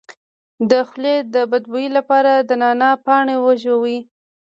د خولې د بد بوی لپاره د نعناع پاڼې وژويئ